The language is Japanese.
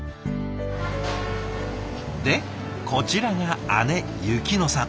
でこちらが姉ゆき乃さん。